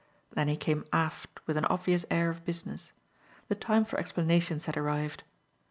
Then he came aft with an obvious air of business. The time for explanations had arrived.